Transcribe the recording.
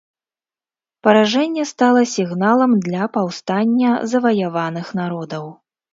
Паражэнне стала сігналам для паўстання заваяваных народаў.